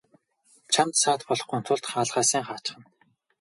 Чамд саад болохгүйн тулд хаалгаа сайн хаачихна.